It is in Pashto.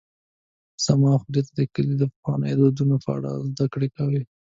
زما خور د کلي د پخوانیو دودونو په اړه زدهکړه کوي.